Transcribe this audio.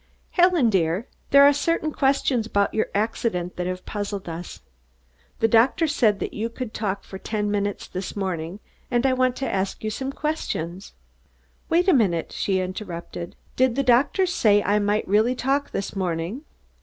"Helen, dear, there are certain questions about your accident that have puzzled us. The doctor said that you could talk for ten minutes this morning and I want to ask you some questions." "Wait a minute!" she interrupted. "Did the doctor say I might really talk this morning?"